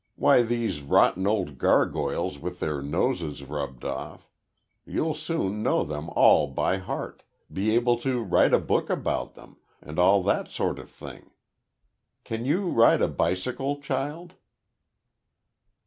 Why these rotten old gargoyles with their noses rubbed off you'll soon know them all by heart, be able to write a book about them, and all that sort of thing. Can you ride a bicycle, child?"